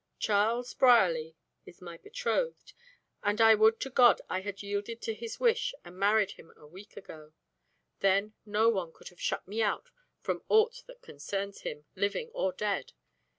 Charles Brierly is my betrothed, and I would to God I had yielded to his wish and married him a week ago. Then no one could have shut me out from ought that concerns him, living or dead.